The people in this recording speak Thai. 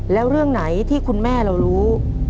แล้วเรื่องไหนที่คุณแม่เรารู้